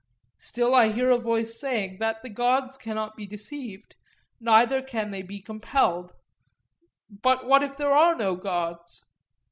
Still I hear a voice saying that the gods cannot be deceived, neither can they be compelled. But what if there are no gods?